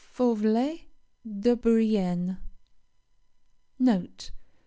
FAUVELET DE BOURRIENNE NOTE.